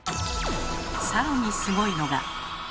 更にすごいのが。